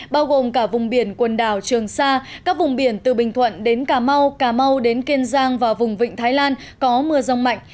bao gồm cả vùng biển quần đảo trường sa các vùng biển từ bình thuận đến cà mau cà mau đến kiên giang và vùng vịnh thái lan có mưa rông mạnh